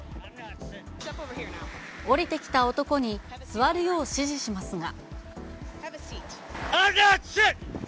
降りてきた男に座るよう指示しますが。